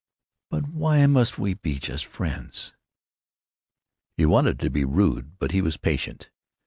"But why must we be just friends?" He wanted to be rude, but he was patient.